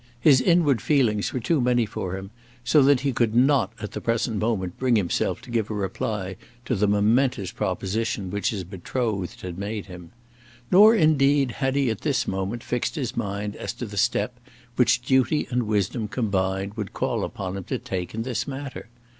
His inward feelings were too many for him, so that he could not at the present moment bring himself to give a reply to the momentous proposition which his betrothed had made him. Nor, indeed, had he at this moment fixed his mind as to the step which Duty and Wisdom combined would call upon him to take in this matter.